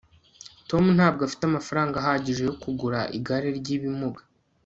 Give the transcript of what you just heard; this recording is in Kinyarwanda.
tom ntabwo afite amafaranga ahagije yo kugura igare ry'ibimuga